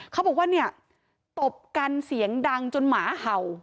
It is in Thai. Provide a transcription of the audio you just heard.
เขาบอกว่าเนี่ยตบกันเสียงดังจนหมาเห่า